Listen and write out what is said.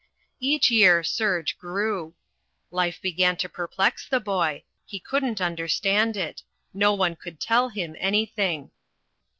Each year Serge grew. Life began to perplex the boy. He couldn't understand it. No one could tell him anything.